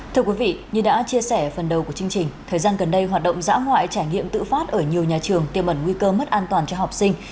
thưa quý vị như đã chia sẻ phần đầu của chương trình thời gian gần đây hoạt động dã ngoại trải nghiệm tự phát ở nhiều nhà trường tiêm ẩn nguy cơ mất an toàn cho học sinh